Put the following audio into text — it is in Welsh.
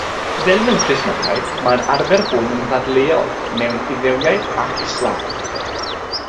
Fel mewn Cristnogaeth, mae'r arfer hwn yn ddadleuol mewn Iddewiaeth ac Islam.